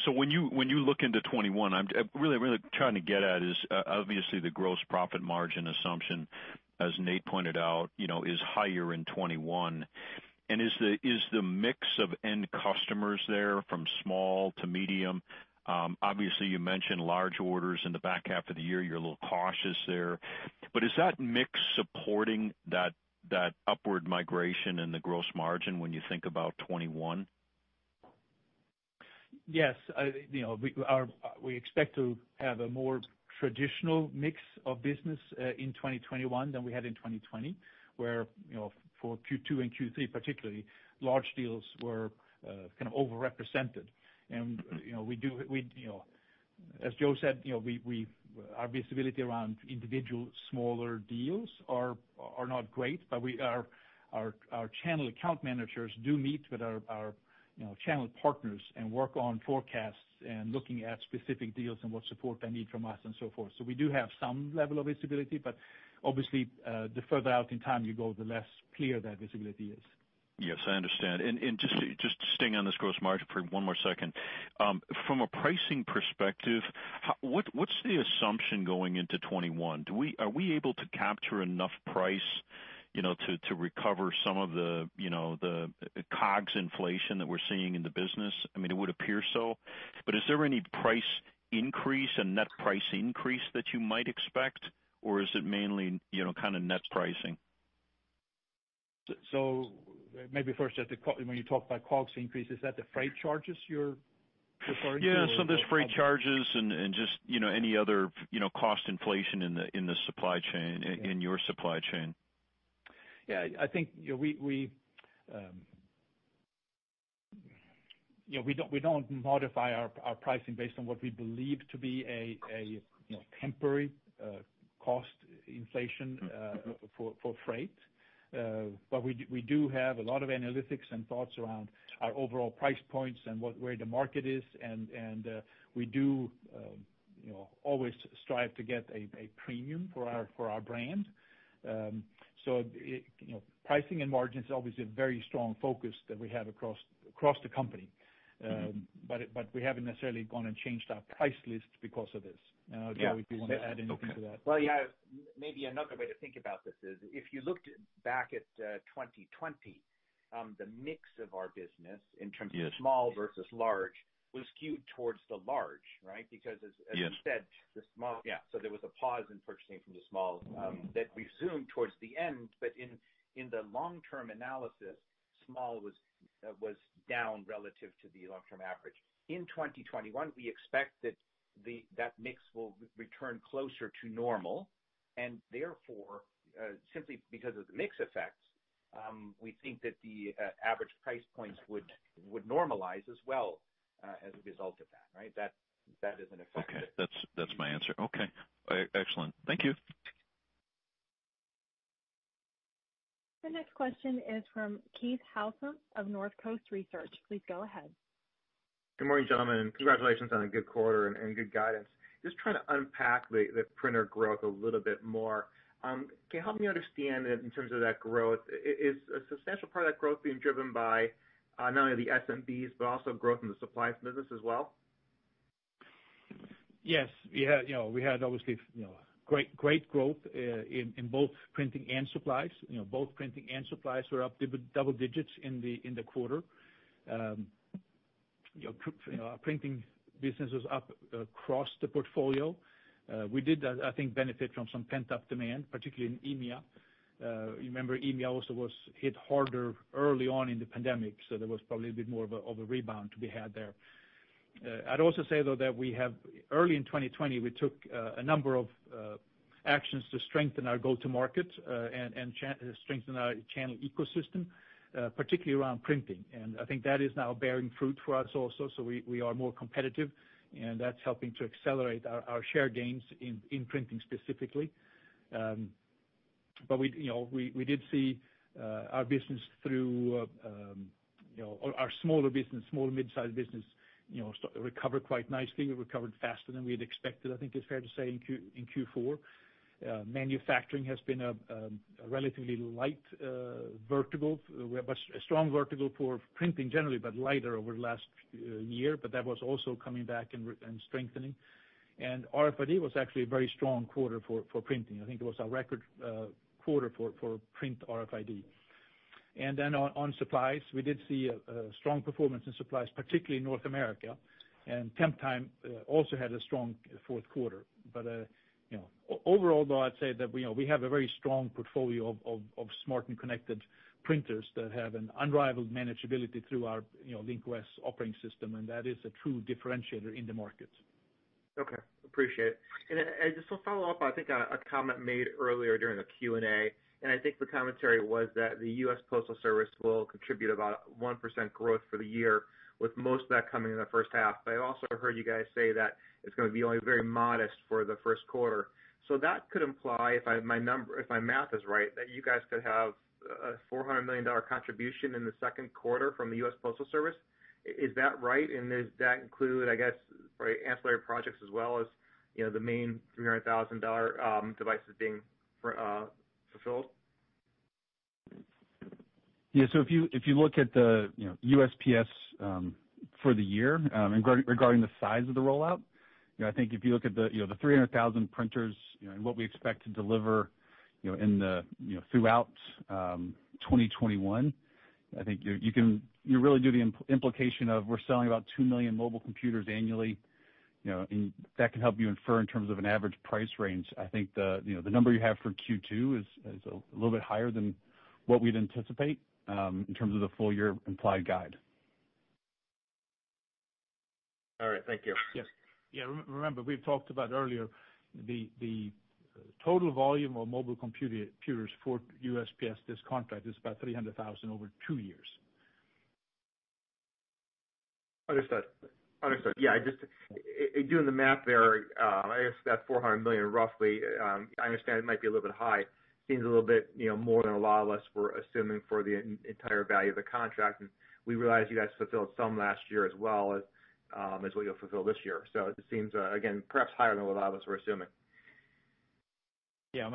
When you look into 2021, what I'm really trying to get at is, obviously the gross profit margin assumption, as Nate pointed out, is higher in 2021. Is the mix of end customers there from small to medium? Obviously, you mentioned large orders in the back half of the year. You're a little cautious there. Is that mix supporting that upward migration in the gross margin when you think about 2021? Yes. We expect to have a more traditional mix of business in 2021 than we had in 2020, where for Q2 and Q3 particularly, large deals were overrepresented. As Joe said, our visibility around individual smaller deals are not great. Our channel account managers do meet with our channel partners and work on forecasts and looking at specific deals and what support they need from us and so forth. We do have some level of visibility, but obviously, the further out in time you go, the less clear that visibility is. Yes, I understand. Just staying on this gross margin for one more second. From a pricing perspective, what's the assumption going into 2021? Are we able to capture enough price to recover some of the COGS inflation that we're seeing in the business? It would appear so, but is there any price increase and net price increase that you might expect, or is it mainly net pricing? Maybe first, when you talk about COGS increase, is that the freight charges you're referring to? Yeah, some of those freight charges and just any other cost inflation in your supply chain. Yeah, I think we don't modify our pricing based on what we believe to be a temporary cost inflation for freight. We do have a lot of analytics and thoughts around our overall price points and where the market is, and we do always strive to get a premium for our brand. Pricing and margin is obviously a very strong focus that we have across the company. We haven't necessarily gone and changed our price list because of this. Joe, if you want to add anything to that. Well, yeah. Maybe another way to think about this is, if you looked back at 2020, the mix of our business in terms of small versus large was skewed towards the large, right? Because as you said- Yes. Yeah. There was a pause in purchasing from the small that resumed towards the end. In the long-term analysis Small was down relative to the long-term average. In 2021, we expect that that mix will return closer to normal, and therefore, simply because of the mix effects, we think that the average price points would normalize as well, as a result of that. That is an effect. Okay. That's my answer. Okay. Excellent. Thank you. The next question is from Keith Housum of Northcoast Research. Please go ahead. Good morning, gentlemen. Congratulations on a good quarter and good guidance. Just trying to unpack the printer growth a little bit more. Can you help me understand in terms of that growth, is a substantial part of that growth being driven by not only the SMBs, but also growth in the supplies business as well? Yes. We had, obviously, great growth in both printing and supplies. Both printing and supplies were up double digits in the quarter. Our printing business was up across the portfolio. We did, I think, benefit from some pent-up demand, particularly in EMEA. Remember, EMEA also was hit harder early on in the pandemic, so there was probably a bit more of a rebound to be had there. I'd also say, though, that early in 2020, we took a number of actions to strengthen our go-to-market, and strengthen our channel ecosystem, particularly around printing. I think that is now bearing fruit for us also, so we are more competitive, and that's helping to accelerate our share gains in printing, specifically. We did see our smaller business, small- to mid-sized business, recover quite nicely. We recovered faster than we had expected, I think it's fair to say, in Q4. Manufacturing has been a relatively light vertical. A strong vertical for printing generally, but lighter over the last year, but that was also coming back and strengthening. RFID was actually a very strong quarter for printing. I think it was a record quarter for print RFID. On supplies, we did see a strong performance in supplies, particularly in North America, and Temptime also had a strong fourth quarter. Overall, though, I'd say that we have a very strong portfolio of smart and connected printers that have an unrivaled manageability through our Link-OS operating system, and that is a true differentiator in the market. Okay. Appreciate it. Just to follow-up, I think, a comment made earlier during the Q&A, and I think the commentary was that the U.S. Postal Service will contribute about 1% growth for the year, with most of that coming in the first half. I also heard you guys say that it's going to be only very modest for the first quarter. That could imply, if my math is right, that you guys could have a $400 million contribution in the second quarter from the U.S. Postal Service. Is that right? Does that include, I guess, ancillary projects as well as the main 300,000 devices being fulfilled? Yeah. If you look at the USPS for the year, regarding the size of the rollout, I think if you look at the 300,000 printers, and what we expect to deliver throughout 2021, I think you really do the implication of we're selling about 2 million mobile computers annually. That can help you infer in terms of an average price range. I think the number you have for Q2 is a little bit higher than what we'd anticipate, in terms of the full-year implied guide. All right. Thank you. Yes. Remember, we've talked about earlier, the total volume of mobile computers for USPS, this contract, is about 300,000 over two years. Understood. Yeah, doing the math there, I guess that $400 million roughly, I understand it might be a little bit high. Seems a little bit more than a lot of us were assuming for the entire value of the contract, we realize you guys fulfilled some last year as well as what you'll fulfill this year. It seems, again, perhaps higher than what a lot of us were assuming. Yeah.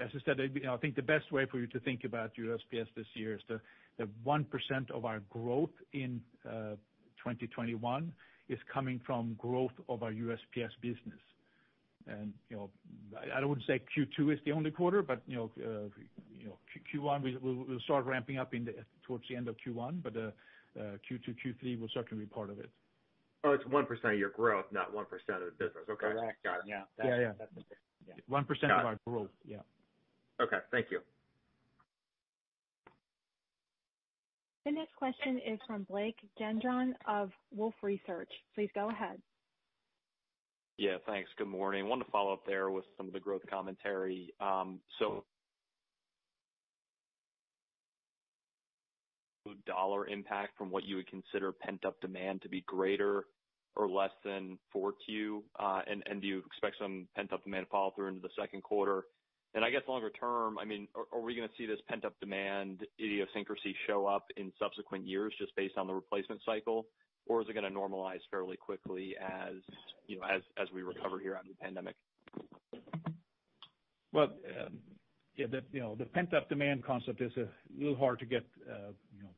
As I said, I think the best way for you to think about USPS this year is that 1% of our growth in 2021 is coming from growth of our USPS business. I wouldn't say Q2 is the only quarter, but we'll start ramping up towards the end of Q1, but Q2, Q3 will certainly be part of it. Oh, it's 1% of your growth, not 1% of the business. Okay. Correct. Got it. Yeah. Yeah. 1% of our growth. Yeah. Okay. Thank you. The next question is from Blake Gendron of Wolfe Research. Please go ahead. Yeah, thanks. Good morning. Wanted to follow-up there with some of the growth commentary. Dollar impact from what you would consider pent-up demand to be greater or less than 4Q, and do you expect some pent-up demand to follow through into the second quarter? I guess longer term, are we going to see this pent-up demand idiosyncrasy show up in subsequent years, just based on the replacement cycle, or is it going to normalize fairly quickly as we recover here out of the pandemic? Well, yeah, the pent-up demand concept is a little hard to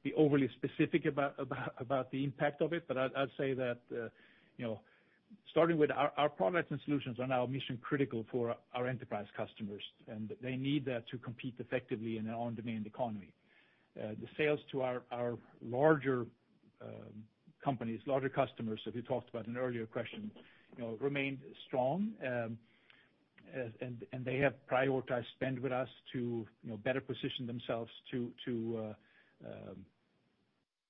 be overly specific about the impact of it. I'd say that, starting with our products and solutions are now mission-critical for our enterprise customers, and they need that to compete effectively in an on-demand economy. The sales to our larger companies, larger customers, that we talked about in an earlier question, remained strong. They have prioritized spend with us to better position themselves to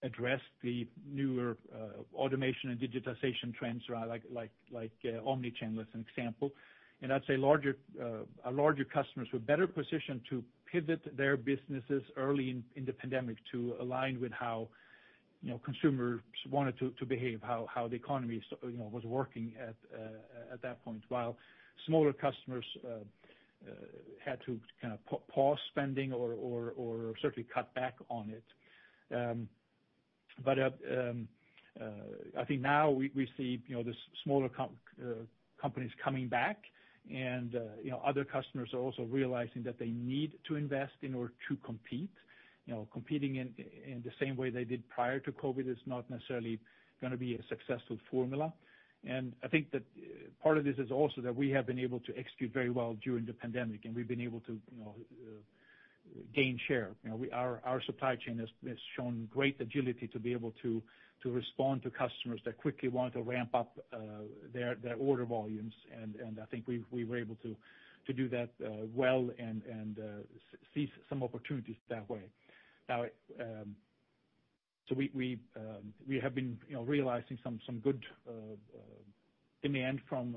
address the newer automation and digitization trends, like omnichannel as an example. I'd say our larger customers were better positioned to pivot their businesses early in the pandemic to align with how consumers wanted to behave, how the economy was working at that point. While smaller customers had to kind of pause spending or certainly cut back on it. I think now we see the smaller companies coming back and other customers are also realizing that they need to invest in order to compete. Competing in the same way they did prior to COVID is not necessarily going to be a successful formula. I think that part of this is also that we have been able to execute very well during the pandemic, and we've been able to gain share. Our supply chain has shown great agility to be able to respond to customers that quickly want to ramp up their order volumes. I think we were able to do that well and seize some opportunities that way. We have been realizing some good demand from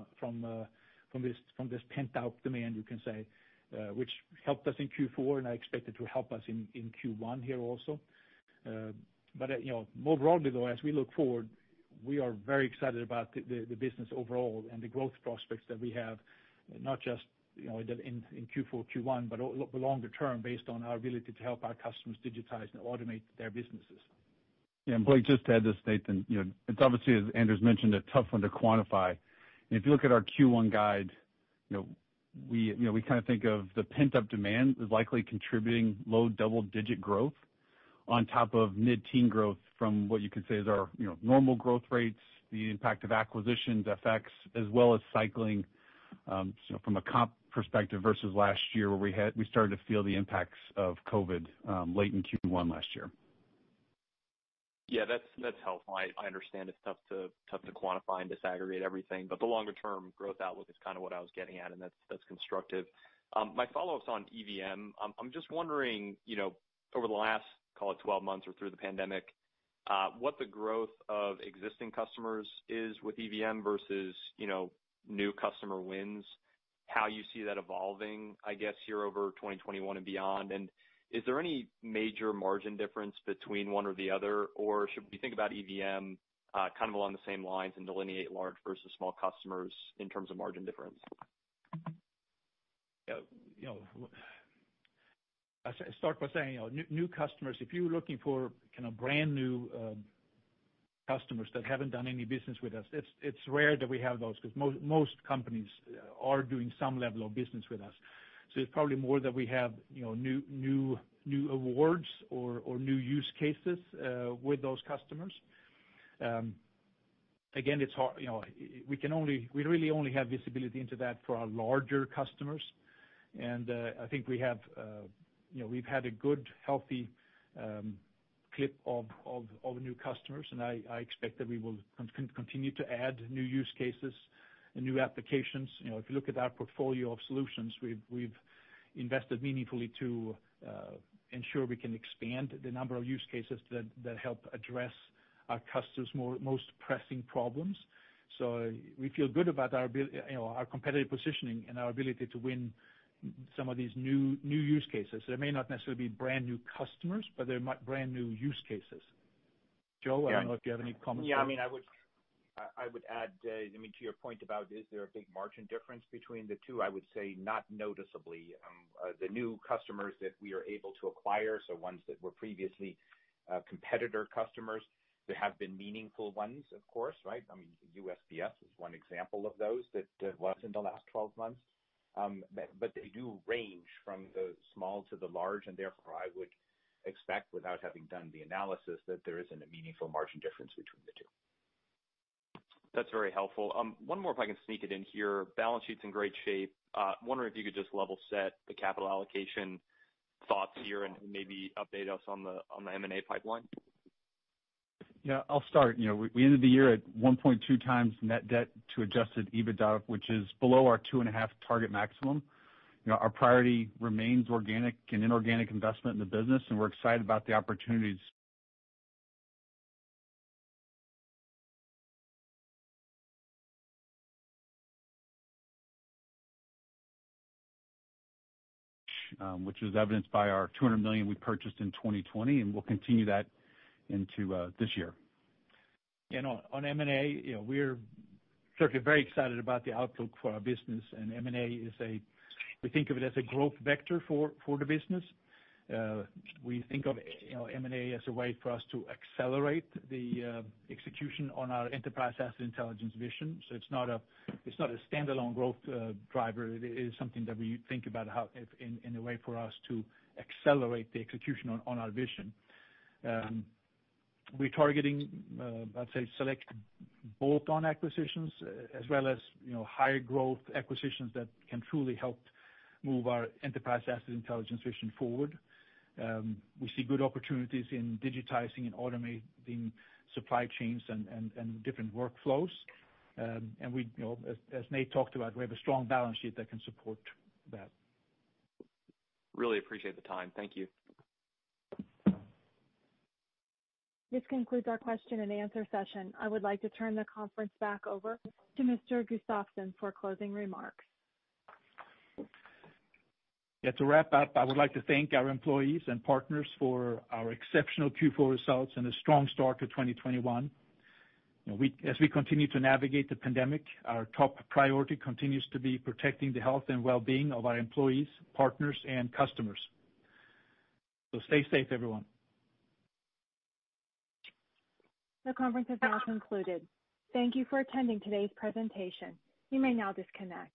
this pent-up demand, you can say, which helped us in Q4, and I expect it to help us in Q1 here also. More broadly though, as we look forward, we are very excited about the business overall and the growth prospects that we have, not just in Q4, Q1, but the longer term, based on our ability to help our customers digitize and automate their businesses. Yeah. Blake, just to add to this, Nathan, it's obviously, as Anders mentioned, a tough one to quantify. If you look at our Q1 guide, we kind of think of the pent-up demand as likely contributing low double-digit growth on top of mid-teen growth from what you could say is our normal growth rates, the impact of acquisitions, FX, as well as cycling from a comp perspective versus last year, where we started to feel the impacts of COVID late in Q1 last year. Yeah, that's helpful. I understand it's tough to quantify and disaggregate everything, but the longer-term growth outlook is kind of what I was getting at, and that's constructive. My follow-up's on EVM. I'm just wondering, over the last, call it 12 months or through the pandemic, what the growth of existing customers is with EVM versus new customer wins, how you see that evolving, I guess, here over 2021 and beyond. Is there any major margin difference between one or the other? Should we think about EVM kind of along the same lines and delineate large versus small customers in terms of margin difference? Yeah. I'll start by saying, new customers, if you're looking for kind of brand-new customers that haven't done any business with us, it's rare that we have those, because most companies are doing some level of business with us. It's probably more that we have new awards or new use cases with those customers. Again, we really only have visibility into that for our larger customers. I think we've had a good, healthy clip of new customers, and I expect that we will continue to add new use cases and new applications. If you look at our portfolio of solutions, we've invested meaningfully to ensure we can expand the number of use cases that help address our customers' most pressing problems. We feel good about our competitive positioning and our ability to win some of these new use cases. They may not necessarily be brand-new customers, but they're brand-new use cases. Joe, I don't know if you have any comments there. Yeah, I would add to your point about, is there a big margin difference between the two? I would say not noticeably. The new customers that we are able to acquire, so ones that were previously competitor customers, there have been meaningful ones, of course, right? USPS is one example of those that was in the last 12 months. They do range from the small to the large, and therefore I would expect, without having done the analysis, that there isn't a meaningful margin difference between the two. That's very helpful. One more if I can sneak it in here. Balance sheet's in great shape. Wondering if you could just level set the capital allocation thoughts here and maybe update us on the M&A pipeline. Yeah, I'll start. We ended the year at 1.2x net debt to adjusted EBITDA, which is below our 2.5x target maximum. Our priority remains organic and inorganic investment in the business, and we're excited about the opportunities, which was evidenced by our $200 million we purchased in 2020, and we'll continue that into this year. On M&A, we're certainly very excited about the outlook for our business. M&A, we think of it as a growth vector for the business. We think of M&A as a way for us to accelerate the execution on our Enterprise Asset Intelligence vision. It's not a standalone growth driver. It is something that we think about in a way for us to accelerate the execution on our vision. We're targeting, I'd say, select bolt-on acquisitions as well as higher growth acquisitions that can truly help move our Enterprise Asset Intelligence vision forward. We see good opportunities in digitizing and automating supply chains and different workflows. As Nate talked about, we have a strong balance sheet that can support that. Really appreciate the time. Thank you. This concludes our question-and-answer session. I would like to turn the conference back over to Mr. Gustafsson for closing remarks. Yeah, to wrap up, I would like to thank our employees and partners for our exceptional Q4 results and a strong start to 2021. As we continue to navigate the pandemic, our top priority continues to be protecting the health and well-being of our employees, partners, and customers. Stay safe, everyone. The conference has now concluded. Thank you for attending today's presentation. You may now disconnect.